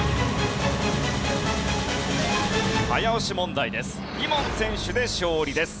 早押し問題です。